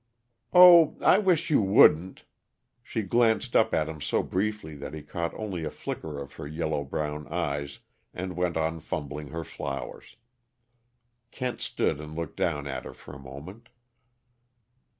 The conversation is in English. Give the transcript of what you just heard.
"Oh I wish you wouldn't!" She glanced up at him so briefly that he caught only a flicker of her yellow brown eyes, and went on fumbling her flowers. Kent stood and looked down at her for a moment.